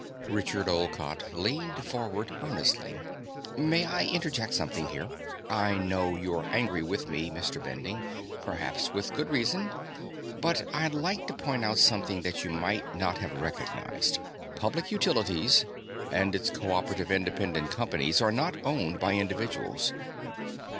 Richard Olcott leaned forward earnestly. "May I interject something here? I know you are angry with me, Mr. Bending perhaps with good reason. But I'd like to point out something that you might not have recognized. Public Utilities and its co operative independent companies are not owned by individuals.